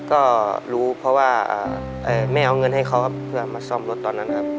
ก็รู้เพราะว่าแม่เอาเงินให้เขาครับเพื่อมาซ่อมรถตอนนั้นครับ